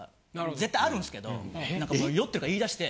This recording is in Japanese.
絶対あるんすけど酔ってるから言い出して。